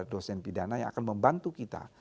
dosen pidana yang akan membantu kita